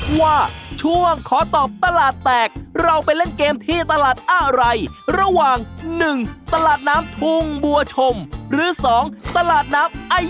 สำเร็จสำเร็จแต่ทีนี้ต้องมาดูเรื่องของเวลา